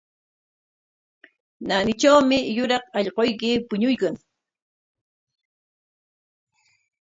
Naanitrawmi yuraq allquyki puñuykan.